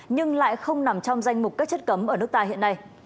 nhưng lại không nằm trong danh mục các chất cấm ở nước ta hiện nay